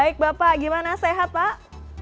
baik bapak gimana sehat pak